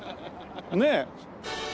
ねえ。